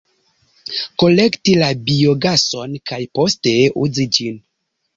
Kolekti la biogason kaj poste uzi ĝin.